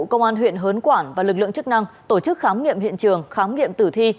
công an huyện hớn quản và lực lượng chức năng tổ chức khám nghiệm hiện trường khám nghiệm tử thi